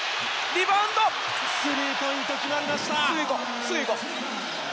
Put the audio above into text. スリーポイントが決まりました。